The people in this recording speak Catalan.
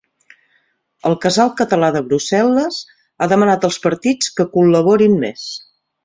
El Casal Català de Brussel·les ha demanat als partits que col·laborin més